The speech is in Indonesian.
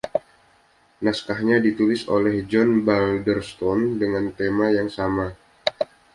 Naskahnya ditulis oleh John Balderston dengan tema yang sama.